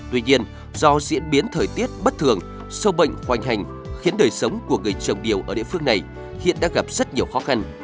tuy nhiên do diễn biến thời tiết bất thường sâu bệnh khoanh hành khiến đời sống của người trồng điều ở địa phương này hiện đang gặp rất nhiều khó khăn